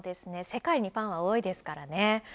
世界にファンは多いですからね。